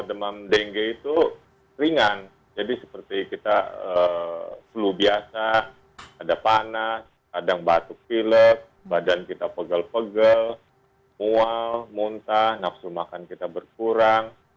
demam dengue itu ringan jadi seperti kita flu biasa ada panas kadang batuk pilek badan kita pegel pegel mual muntah nafsu makan kita berkurang